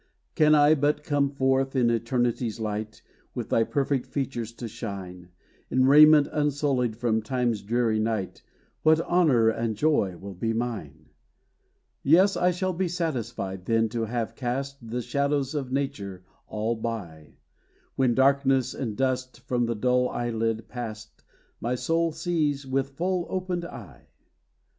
Can I but come forth to eternity's light, With thy perfect features to shine, In raiment unsullied from time's dreary night, What honor and joy will be mine! Yes, I shall be satisfied then to have cast The shadows of nature all by When, darkness and dust from the dull eyelid past, My soul sees with full opened eye.